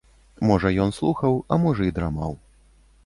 Можа ён слухаў, а можа і драмаў.